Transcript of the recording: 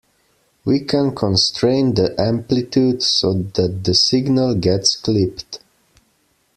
We can constrain the amplitude so that the signal gets clipped.